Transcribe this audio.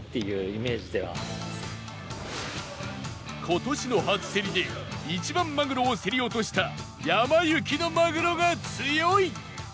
今年の初競りで一番まぐろを競り落としたやま幸のまぐろが強い！